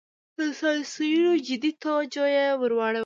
د سیاسینو جدي توجه یې وراړولې وه.